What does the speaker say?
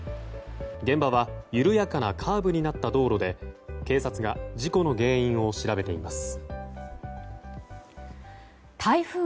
現場は緩やかなカーブになった道路で警察が事故の原因を調べています。